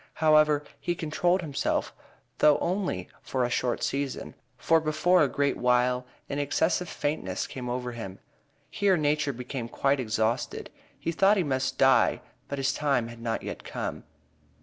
However, he controlled himself, though only for a short season, for before a great while an excessive faintness came over him. Here nature became quite exhausted. He thought he must "die;" but his time had not yet come.